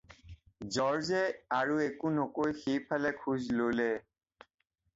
জৰ্জে আৰু একো নকৈ সেই ফালে খোজ ল'লে।